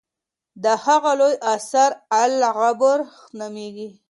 د هغه لوی اثر العبر نومېږي.